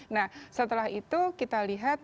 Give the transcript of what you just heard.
nah setelah itu kita lihat